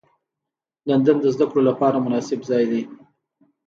لندن د زدهکړو لپاره مناسب ځای دی